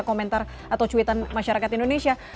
komentar atau cuitan masyarakat indonesia